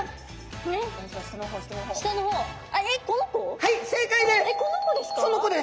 はい正解です！